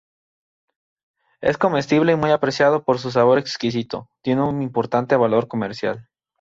Es comestible y muy apreciado por su sabor exquisito, tiene un importante valor comercial.